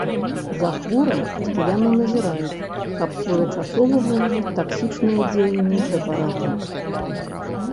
За хворым пастаянна назіраюць, каб своечасова выявіць таксічнае дзеянне прэпарата.